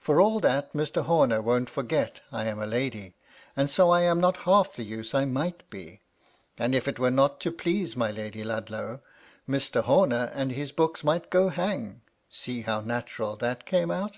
For all that, Mr. Homer won't forget I am a lady, and so I am not half the use I might be, and if it were not to please my Lady Ludlow, Mr. Horner and his books might go hang (see how natural that came out